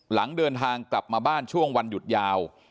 หลังเดินทางกลับมาบ้านช่วงวันหยุดยาว